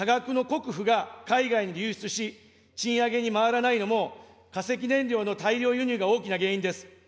多額の国富が海外に流出し、賃上げに回らないのも、化石燃料の大量輸入が大きな原因です。